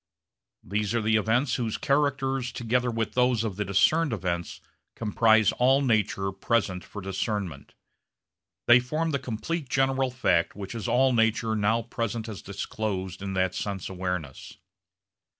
These are the events whose characters together with those of the discerned events comprise all nature present for discernment. They form the complete general fact which is all nature now present as disclosed in that sense awareness.